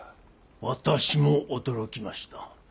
私も驚きました。